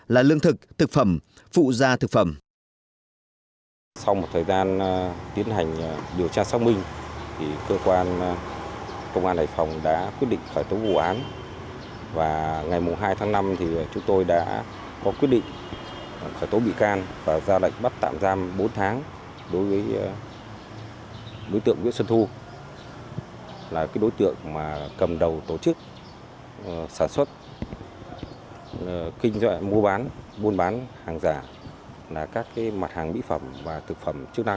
là lương thực thực phẩm phụ gia thực phẩm